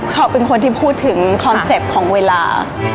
เขาเป็นคนที่พูดถึงคอนเซ็ปต์ของเวลา